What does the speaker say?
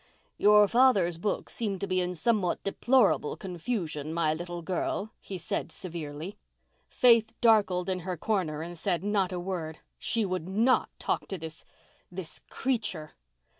"You father's books seem to be in somewhat deplorable confusion, my little girl," he said severely. Faith darkled in her corner and said not a word. She would not talk to this—this creature.